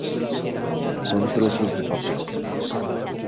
Son trozos de papel.